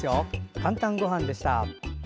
「かんたんごはん」でした。